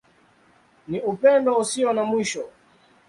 Ni Upendo Usio na Mwisho.